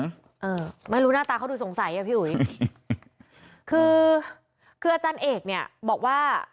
เออไม่รู้หน้าตาเขาดูสงสัยอ่ะพี่อุ๋ยคือคืออาจารย์เอกเนี่ยบอกว่า